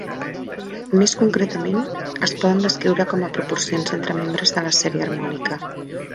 Més concretament, es poden descriure com a proporcions entre membres de la sèrie harmònica.